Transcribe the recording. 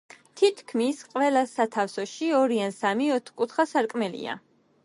თითქმის ყველა სათავსოში ორი ან სამი ოთხკუთხა სარკმელია.